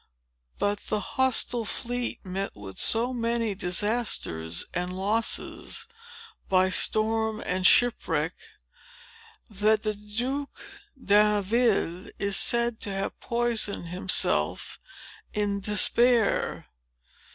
But the hostile fleet met with so many disasters and losses, by storm and shipwreck, that the Duke d'Anville is said to have poisoned himself in despair.